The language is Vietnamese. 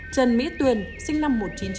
trần mỹ tuyền sinh năm một nghìn chín trăm tám mươi